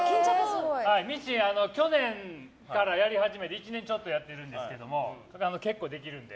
ミシン、去年からやり始めて１年ちょっとやってるんですけど僕、結構できるので。